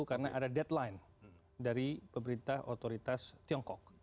karena ada deadline dari pemerintah otoritas tiongkok